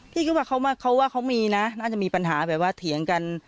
คิดว่าเขาว่าเขามีนะน่าจะมีปัญหาแบบว่าเถียงกัน